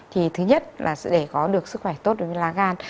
thì thứ nhất là để có được sức khỏe tốt đối với lá gan